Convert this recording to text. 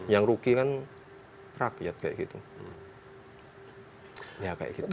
yang rugi kan rakyat kayak gitu